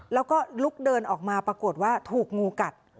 แล้วก็ลุกเดินออกมาปรากฏว่าถูกงูกัด